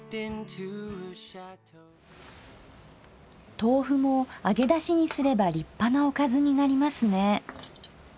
豆腐も揚げだしにすれば立派なおかずになりますね。